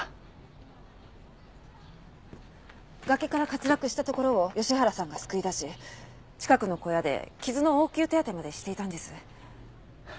崖から滑落したところを吉原さんが救い出し近くの小屋で傷の応急手当てまでしていたんです。